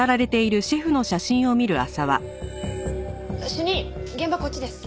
主任現場こっちです。